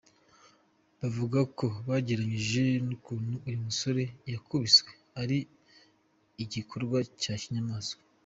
Bavuga ko bagereranyije n’ukuntu uyu musore yakubiswe ari igikorwa cya kinyamaswa.